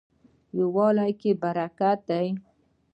یووالي کې برکت دی